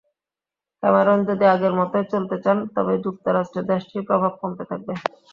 Cameron যদি আগের মতোই চলতে চান, তবে যুক্তরাষ্ট্রে দেশটির প্রভাব কমতে থাকবে।